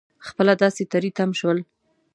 خپله داسې تری تم شول.